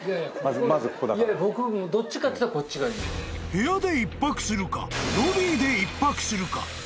［部屋で一泊するかロビーで一泊するか］